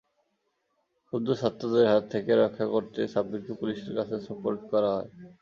ক্ষুব্ধ ছাত্রদের হাত থেকে রক্ষা করতেই সাব্বিরকে পুলিশের কাছে সোপর্দ করা হয়।